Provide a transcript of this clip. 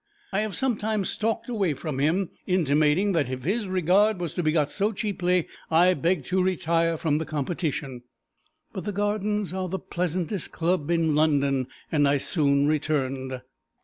I have sometimes stalked away from him, intimating that if his regard was to be got so cheaply I begged to retire from the competition, but the Gardens are the pleasantest club in London, and I soon returned.